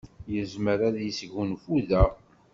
Yezmer ad yesgunfu da.